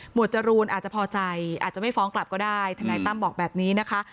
จรูนอาจจะพอใจอาจจะไม่ฟ้องกลับก็ได้ทนายตั้มบอกแบบนี้นะคะ